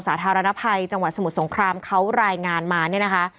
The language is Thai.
สาธารณภัยจังหวัดสมุทรสงครามเขารายงานมาเนี่ยนะคะ